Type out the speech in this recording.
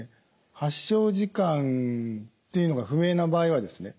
発症時間っていうのが不明な場合はですね